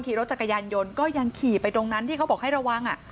ขี่รถจักรยานยนต์ก็ยังขี่ไปตรงนั้นที่เขาบอกให้ระวัง